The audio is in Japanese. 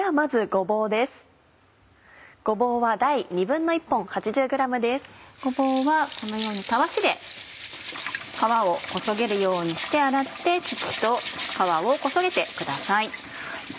ごぼうはこのようにタワシで皮をこそげるようにして洗って土と皮をこそげてください。